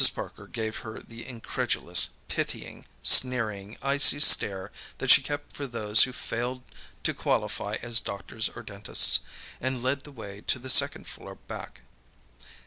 Parker gave her the incredulous, pitying, sneering, icy stare that she kept for those who failed to qualify as doctors or dentists, and led the way to the second floor back.